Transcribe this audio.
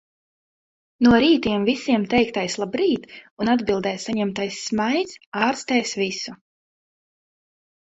No rītiem visiem teiktais "labrīt" un atbildē saņemtais smaids ārstēs visu.